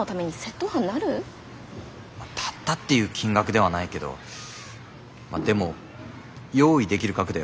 「たった」っていう金額ではないけどでも用意できる額だよね